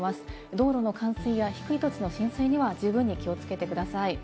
道路の冠水や低い土地の浸水には十分に気をつけてください。